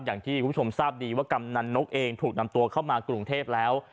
อย่างที่คุณผู้ชมทราบดีว่ากำนันนกเองถูกนำตัวเข้ามากรุงเทพแล้ว